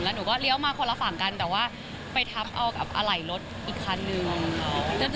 หนูก็เลี้ยวมาคนละฝั่งกันแต่ว่าไปทับเอากับอะไหล่รถอีกคันนึง